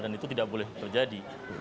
dan itu tidak boleh terjadi